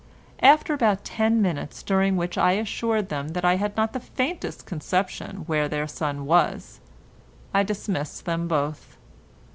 After about ten minutes, during which I assured them that I had not the faintest conception where their son was, I dismissed them both.